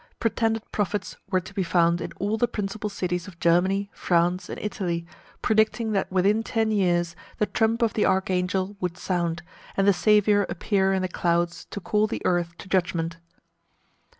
Pretended prophets were to be found in all the principal cities of Germany, France, and Italy, predicting that within ten years the trump of the archangel would sound, and the Saviour appear in the clouds to call the earth to judgment.